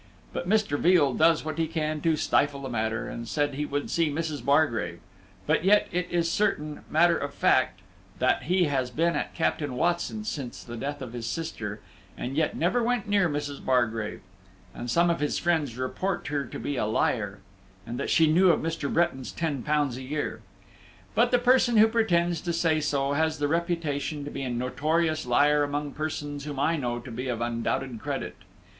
But Mr. Veal does what he can to stifle the matter, and said he would see Mrs. Bargrave; but yet it is certain matter of fact that he has been at Captain Watson's since the death of his sister, and yet never went near Mrs. Bargrave; and some of his friends report her to be a liar, and that she knew of Mr. Bretton's ten pounds a year. But the person who pretends to say so has the reputation to be a notorious liar among persons whom I know to be of undoubted credit.